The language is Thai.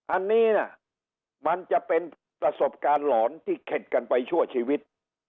อันนี้นะมันจะเป็นประสบการณ์หลอนที่เข็ดกันไปชั่วชีวิต